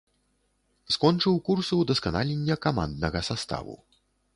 Скончыў курсы ўдасканалення каманднага саставу.